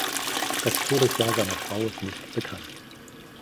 Das Todesjahr seiner Frau ist nicht bekannt.